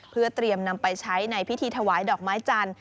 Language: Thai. เพื่อเตรียมนำไปใช้ในพิธีถวายดอกไม้จันทร์